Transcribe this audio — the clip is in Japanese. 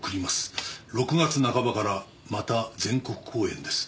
「６月半ばからまた全国公演です」